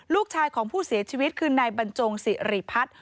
ลูกชายของผู้เสียชีวิตคือนายบรรจงสิริพัฒน์